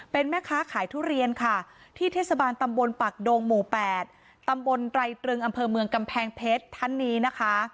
เป็นแม่ค้าขายทุเรียนค่ะที่เทศบาลตำบลปากดงหมู่๘ตำบลไตรตรึงอำเภอเมืองกำแพงเพชรท่านนี้นะคะ